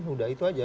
sudah itu saja